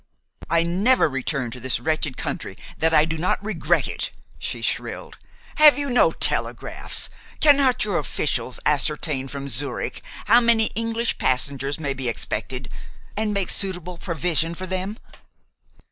"I never return to this wretched country that I do not regret it!" she shrilled. "Have you no telegraphs? Cannot your officials ascertain from Zurich how many English passengers may be expected, and make suitable provision for them?"